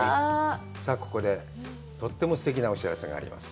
さあ、ここでとってもすてきなお知らせがあります。